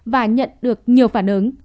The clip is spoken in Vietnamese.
và nhận được nhiều phản ứng